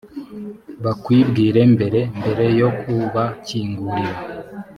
bakwibwire mbere mbere yo kubakingurira